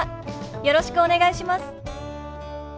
よろしくお願いします。